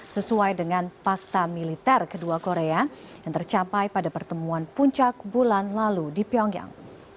sesuai dengan fakta militer kedua korea yang tercapai pada pertemuan puncak bulan lalu di pyongyang